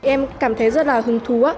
em cảm thấy rất là hứng thú